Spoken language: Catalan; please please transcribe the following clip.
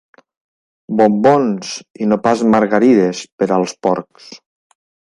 Bombons, i no pas margarides, per als porcs.